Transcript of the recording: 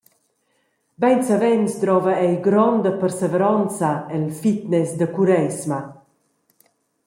Beinsavens drova ei gronda perseveronza el fitness da cureisma.